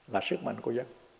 là sức mạnh của dân